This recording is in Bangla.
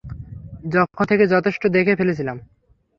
যখন থেকে যথেষ্ট দেখে ফেলেছিলাম।